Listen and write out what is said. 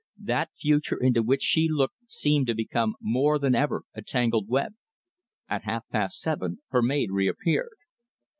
That future into which she looked seemed to become more than ever a tangled web. At half past seven her maid reappeared.